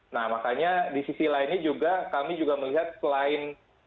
nah makanya di sisi lainnya juga kami juga melihat selain